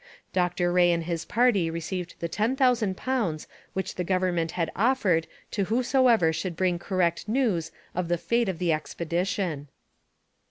Dr Rae and his party received the ten thousand pounds which the government had offered to whosoever should bring correct news of the fate of the expedition.